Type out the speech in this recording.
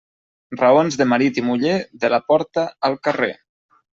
Raons de marit i muller, de la porta al carrer.